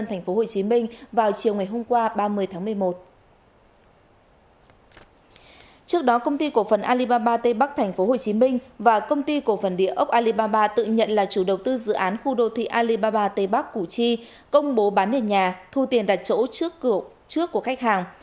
trước đó công ty cổ phần alibaba tây bắc tp hcm và công ty cổ phần địa ốc alibaba tự nhận là chủ đầu tư dự án khu đô thị alibaba tây bắc củ chi công bố bán nền nhà thu tiền đặt chỗ trước của khách hàng